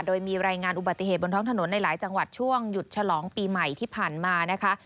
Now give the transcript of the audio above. โดยมีรายงานอุบัติเหตุบนท้องถนนในหลายจังหวัดช่วงหยุดฉลองปีใหม่ที่ผ่านมานะคะ